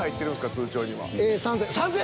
通帳には。